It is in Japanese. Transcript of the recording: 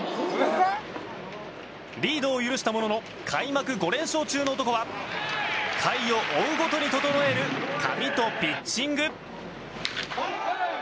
リードを許したものの開幕５連勝中の男は回を追うごとに整える髪とピッチング。